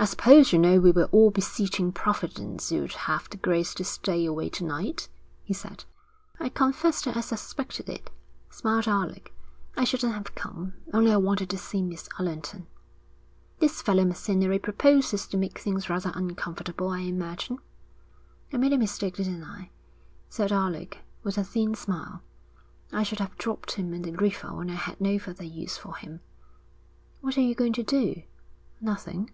'I suppose you know we were all beseeching Providence you'd have the grace to stay away to night?' he said. 'I confess that I suspected it,' smiled Alec. 'I shouldn't have come, only I wanted to see Miss Allerton.' 'This fellow Macinnery proposes to make things rather uncomfortable, I imagine.' 'I made a mistake, didn't I?' said Alec, with a thin smile. 'I should have dropped him in the river when I had no further use for him.' 'What are you going to do?' 'Nothing.'